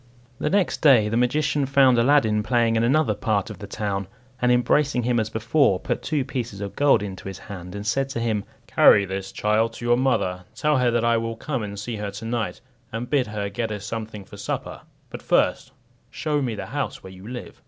The next day the magician found Aladdin playing in another part of the town, and embracing him as before, put two pieces of gold into his hand, and said to him, "Carry this, child, to your mother; tell her that I will come and see her to night, and bid her get us something for supper; but first show ms the house where you live."